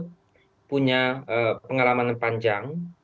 pak mahfud punya pengalaman panjang